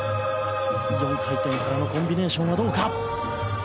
４回転からのコンビネーション。